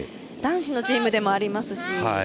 男子のチームでもありますし。